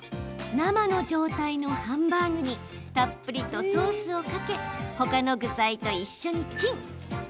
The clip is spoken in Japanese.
生の状態のハンバーグにたっぷりとソースをかけほかの具材と一緒にチン。